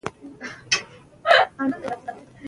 هر شاعر خپل کلمات په ځانګړي ډول پیوياي.